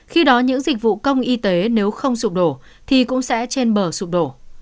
khi đó những dịch vụ công y tế nếu không sụp đổ thì cũng sẽ trên bờ sụp đổ